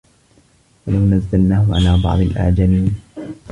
وَلَو نَزَّلناهُ عَلى بَعضِ الأَعجَمينَ